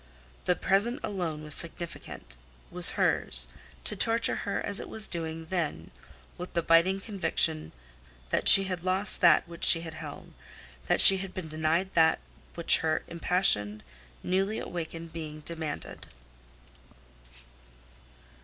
The present alone was significant; was hers, to torture her as it was doing then with the biting conviction that she had lost that which she had held, that she had been denied that which her impassioned, newly awakened being demanded.